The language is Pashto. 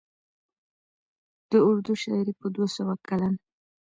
د اردو شاعرۍ په دوه سوه کلن